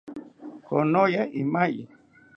Konoya imaye